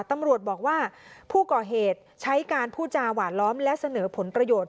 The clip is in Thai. ตำรวจบอกว่าผู้ก่อเหตุใช้การพูดจาหวานล้อมและเสนอผลประโยชน์